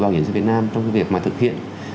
bảo hiểm y tế việt nam trong cái việc mà thực hiện